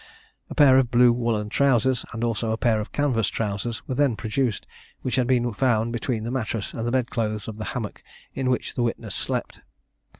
A pair of blue woollen trousers, and also a pair of canvas trousers, were then produced, which had been found between the mattress and the bed clothes of the hammock in which the witness slept.